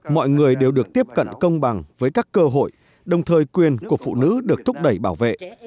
mọi người đều được tiếp cận công bằng với các cơ hội đồng thời quyền của phụ nữ được thúc đẩy bảo vệ